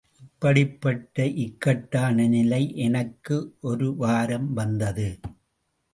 இப்படிப்பட்ட இக்கட்டான நிலை எனக்கும் ஒரு வாரம் வந்தது.